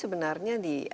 sebenarnya di aplikasi itu